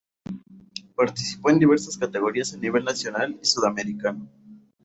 Participó en diversas categorías a nivel nacional y sudamericano.